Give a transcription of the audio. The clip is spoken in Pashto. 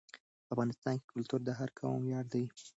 په افغانستان کې کلتور د هر قوم ویاړ دی.